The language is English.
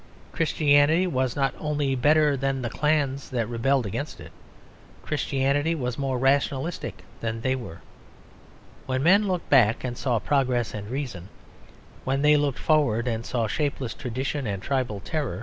Christianity was not only better than the clans that rebelled against it; Christianity was more rationalistic than they were. When men looked back they saw progress and reason; when they looked forward they saw shapeless tradition and tribal terror.